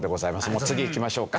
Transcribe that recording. もう次へいきましょうか。